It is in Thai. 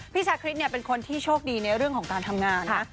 ชาคริสเนี่ยเป็นคนที่โชคดีในเรื่องของการทำงานนะ